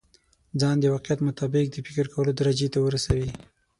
ځان د واقعيت مطابق د فکر کولو درجې ته ورسوي.